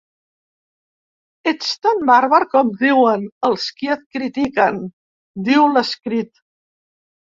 Ets tan bàrbar com diuen els qui et critiquen, diu l’escrit.